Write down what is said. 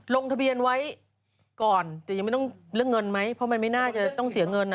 ลงทะเบียนไว้ก่อนแต่ยังไม่ต้องเรื่องเงินไหมเพราะมันไม่น่าจะต้องเสียเงิน